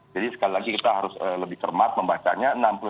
jadi sekali lagi kita harus lebih cermat membacanya